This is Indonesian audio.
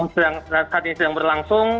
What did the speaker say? saat ini sedang berlangsung